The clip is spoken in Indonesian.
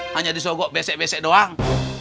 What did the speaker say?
hanya disogok besek besek doang